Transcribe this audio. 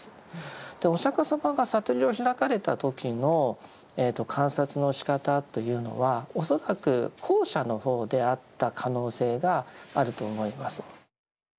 お釈様が悟りを開かれた時の観察のしかたというのは恐らく後者の方であった可能性があると思います。